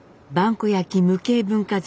古焼無形文化財